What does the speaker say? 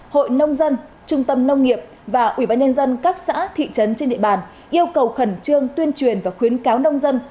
hội nông dân trung tâm nông nghiệp và ủy ban nhân dân các xã thị trấn trên địa bàn yêu cầu khẩn trương tuyên truyền và khuyến cáo nông dân